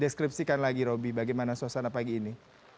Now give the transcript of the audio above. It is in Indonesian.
deskripsikan lagi roby bagaimana suasana pagi ini